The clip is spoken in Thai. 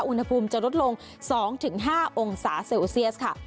อุณหภูมิจะลดลง๒๕องศาเซลเซียสค่ะ